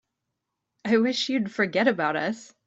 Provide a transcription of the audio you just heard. I wish you'd forget about us.